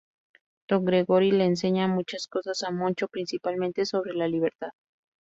Don Gregorio le enseña muchas cosas a Moncho, principalmente sobre la libertad.